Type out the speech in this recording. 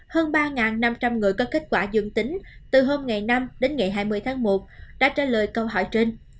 hơn ba năm trăm linh người có kết quả dương tính từ hôm ngày năm đến ngày hai mươi tháng một đã trả lời câu hỏi trên